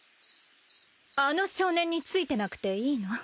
あの少年についてなくていいの？